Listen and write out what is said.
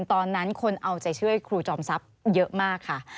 ตอนนั้นคนเอาใจช่วยครูจอมทรัพย์เยอะมากค่ะ